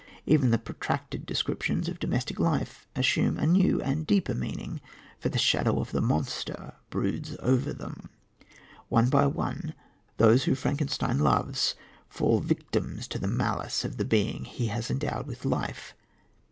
Even the protracted descriptions of domestic life assume a new and deeper meaning, for the shadow of the monster broods over them. One by one those whom Frankenstein loves fall victims to the malice of the being he has endowed with life.